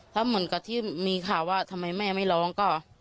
ถ้าเหมือนกับที่มีข่าวว่าทำไมแม่ไม่ร้องก็